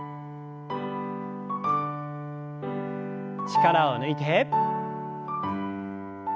力を抜いて。